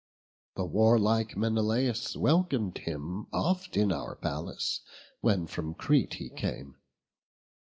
The warlike Menelaus welcom'd him Oft in our palace, when from Crete he came.